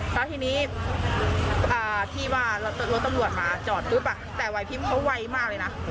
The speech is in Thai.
แล้วทีนี้ที่ว่ารถตำรวจมาจอดปุ๊บแต่วัยพิมพ์เขาไวมากเลยนะ